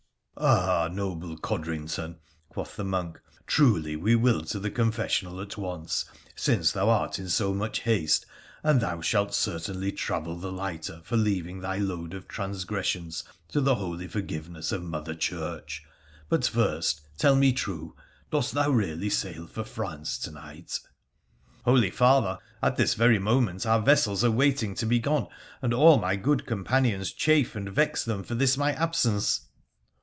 ' Ah, noble Codrington,' quoth the monk, ' truly we will to the confessional at once, since thou art in so much haste, and thou shalt certainly travel the lighter for leaving thy load of transgressions to the holy forgiveness of Mother Church ; but first, tell me true, dost thou really sail for France to night ?'' Holy father, at this very moment our vessels are waiting to be gone, and all my good companions chafe and vex them for this my absence